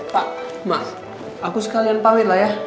pak mas aku sekalian pawit lah ya